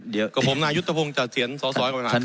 เดี๋ยวครับผมนายยุฒิพงศ์จากเถียนสสขวงกลางข้าม